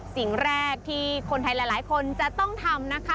สิ่งแรกที่คนไทยหลายคนจะต้องทำนะคะ